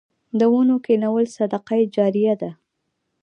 د ونو کینول صدقه جاریه ده